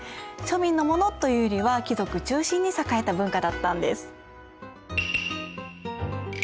庶民のものというよりは貴族中心に栄えた文化だったんです。